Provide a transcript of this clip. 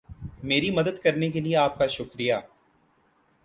میری مدد کرنے کے لئے آپ کا شکریہ